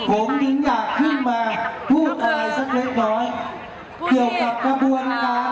ผมถึงอยากขึ้นมาพูดอะไรสักเล็กน้อยเกี่ยวกับกระบวนการ